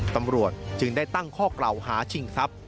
ตำรวจจึงได้ตั้งข้อกล่าวหาชิงทรัพย